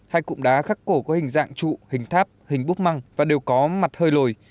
hai cụm đá khắc cổ có hình dạng trụ hình tháp hình búp măng và đều có mặt hơi lồi